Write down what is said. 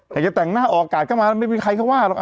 อยากจะแต่งหน้าออกกากกลับมาแล้วไม่มีใครก็ว่าหรอก